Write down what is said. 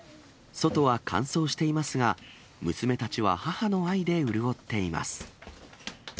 外は乾燥していますが、娘たちは母の愛で潤っています。